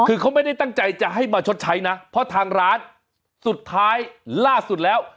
คือเขาไม่ได้ตั้งใจจะให้มาชดใช้นะเพราะทางร้านสุดท้ายล่าสุดแล้ว